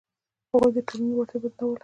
هغوی د ټولنې وړتیا بندوله.